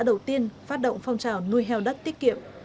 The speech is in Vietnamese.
tuy nhiên phát động phong trào nuôi heo đất tiết kiệm